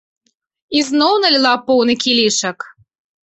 Ізноў наліла поўны кілішак.